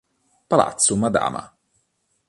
Palazzo Madama